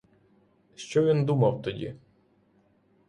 Що він думав тоді?